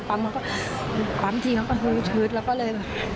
ปั๊มทีมันก็หืดแล้วก็เลย